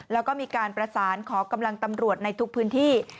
แล้วก็มีการประสานขอกำลังตำรวจในทุกพื้นที่